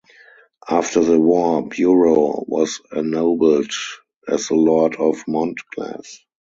After the war, Bureau was ennobled as the Lord of Montglas.